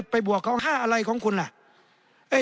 บวกเขา๕อะไรของคุณล่ะ